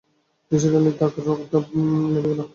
নিসার আলির রাগ দপ করে নিভে গেল।